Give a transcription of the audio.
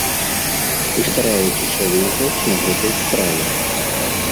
І стараецеся выйграць на гэтай справе.